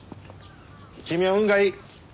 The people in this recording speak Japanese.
君は運がいい。